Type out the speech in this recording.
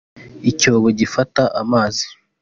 icyobo gifata amazi